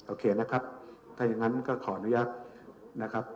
โอเคนะครับถ้าอย่างนั้นก็ขออนุญาตนะครับ